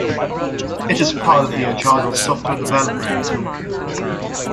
It is part of the agile software development tool kit.